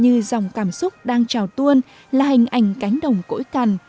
như dòng cảm xúc đang trào tuôn là hình ảnh cánh đồng cỗi cằn